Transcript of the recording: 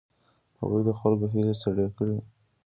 هغوی د خلکو هیلې سړې کړې.